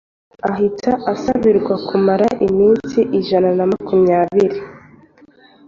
ahita asabirwa kumara iminsi ijana na makumyabiri